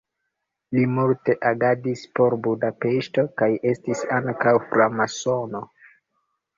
Li multe agadis por Budapeŝto kaj estis ankaŭ framasono.